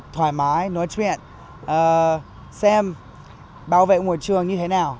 thoải mái nói chuyện xem bảo vệ môi trường như thế nào